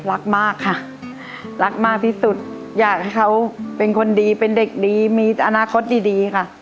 รักมากค่ะรักมากที่สุดอยากให้เขาเป็นคนดีเป็นเด็กดีมีอนาคตดีดีค่ะ